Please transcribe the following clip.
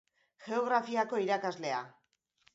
Geografiako irakaslea